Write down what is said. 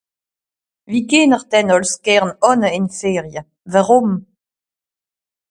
Wie gehn'r denn àls gärn Ànne in Ferie ? Wàrùm ?